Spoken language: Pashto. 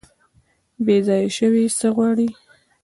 بیځایه شوي څه غواړي؟